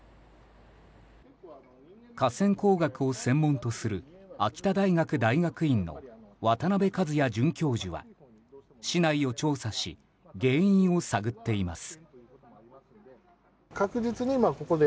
河川工学を専門とする秋田大学大学院の渡邉一也准教授は市内を調査し原因を探っています。